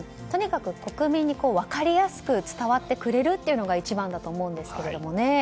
とにかく国民に分かりやすく伝わってくれるのが一番だと思うんですけどね。